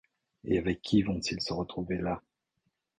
Et avec qui vont-ils se trouver là?